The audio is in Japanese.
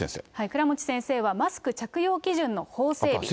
倉持先生は、マスク着用基準の法整備。